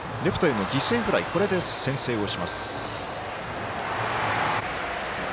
レフトへの犠牲フライこれで先制をします。